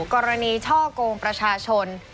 กรณีช่อกงประชาชน